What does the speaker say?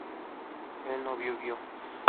él no vivió